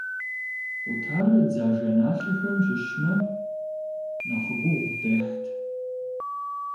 Къутар дзажэналъэхэм щыщмэ, нэхъ гугъу дехьт.